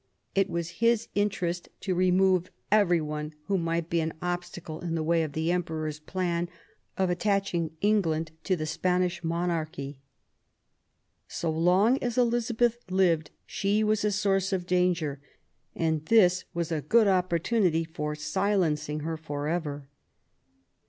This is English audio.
It was his interest to remove every one who might be an obstacle in the way of the Emperor's plan of attaching England to the Spanish monarchy. So long as Elizabeth lived she was a source of danger, and this was a good opportunity for silencing her for ever.